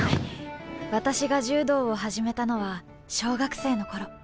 私が柔道を始めたのは小学生の頃。